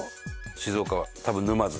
静岡は多分沼津。